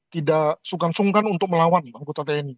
tidak sungkan sungkan untuk melawan anggota tni